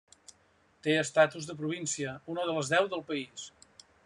Té estatus de província, una de les deu del país.